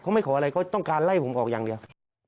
เขาไม่ขออะไรเขาต้องการไล่ผมออกอย่างเดียว